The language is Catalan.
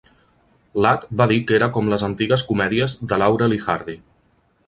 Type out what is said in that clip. Ladd va dir que era com les antigues comèdies de Laurel i Hardy.